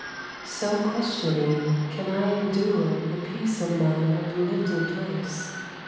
So questioning, can I endure The peace of mine uplifted place